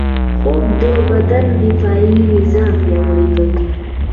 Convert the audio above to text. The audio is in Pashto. خوب د بدن دفاعي نظام پیاوړی کوي